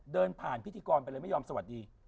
เดินผ่านพิธีกรไปเลยไม่ยอมสวัสดี